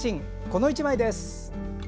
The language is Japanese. この１枚です。